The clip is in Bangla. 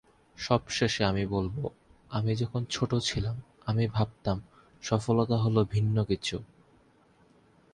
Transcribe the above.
সবশেষে আমি বলব, আমি যখন ছোট ছিলাম, আমি ভাবতাম সফলতা হলো ভিন্ন কিছু।